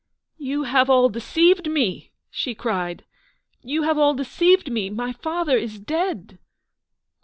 " You have all deceived me/' she cried, " you have all deceived me : my father is dead